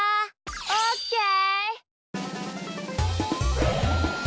オッケー！